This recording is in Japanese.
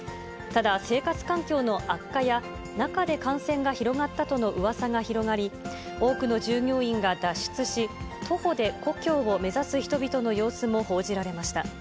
ただ、生活環境の悪化や、中で感染が広がったとのうわさが広がり、多くの従業員が脱出し、徒歩で故郷を目指す人々の様子も報じられました。